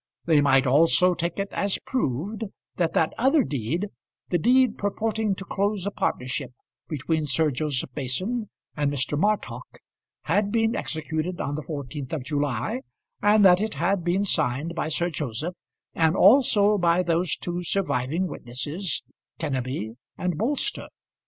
They might also take it as proved, that that other deed, the deed purporting to close a partnership between Sir Joseph Mason and Mr. Martock, had been executed on the 14th of July, and that it had been signed by Sir Joseph, and also by those two surviving witnesses, Kenneby and Bolster.